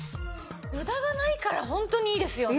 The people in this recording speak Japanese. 無駄がないから本当にいいですよね。